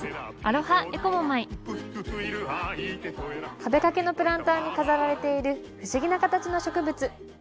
壁掛けのプランターに飾られている不思議な形の植物。